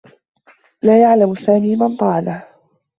لا يعلم سامي من طعنه.